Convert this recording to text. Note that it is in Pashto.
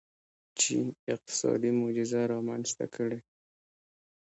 چین اقتصادي معجزه رامنځته کړې.